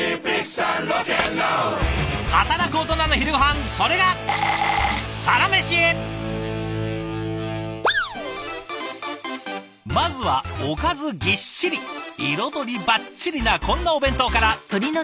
働くオトナの昼ごはんそれがまずはおかずぎっしり彩りバッチリなこんなお弁当から！